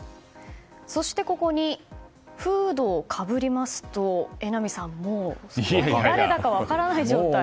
そしてここにフードをかぶると榎並さんもう誰だか分からない状態。